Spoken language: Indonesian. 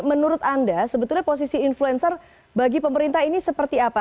menurut anda sebetulnya posisi influencer bagi pemerintah ini seperti apa